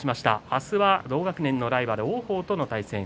明日は同学年のライバル王鵬との対戦。